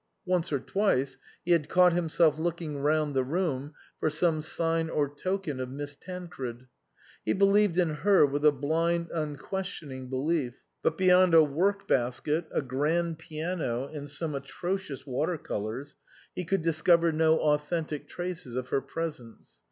Once or twice he had caught himself looking round the room for some sign or token of Miss Tan cred. He believed in her with a blind, unques tioning belief, but beyond a work basket, a grand piano, and some atrocious water colours, he could discover no authentic traces of her presence.